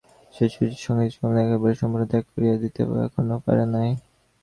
সে সুচরিতার সহিত সম্বন্ধকে একেবারে সম্পূর্ণরূপে ত্যাগ করিয়া দিতে এখনো পারে নাই।